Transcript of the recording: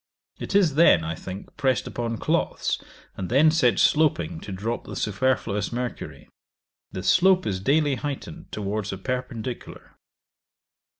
It is then, I think, pressed upon cloths, and then set sloping to drop the superfluous mercury; the slope is daily heightened towards a perpendicular.